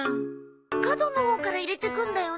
角のほうから入れてくんだよね？